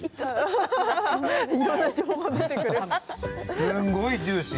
すんごいジューシー。